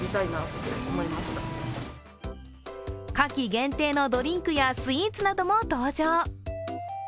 夏季限定のドリンクやスイーツなども登場。